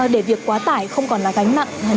để việc quá tải không còn là gánh mặn